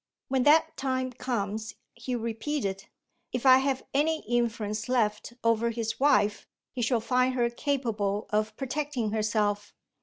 "When that time comes," Hugh repeated, "if I have any influence left over his wife, he shall find her capable of protecting herself.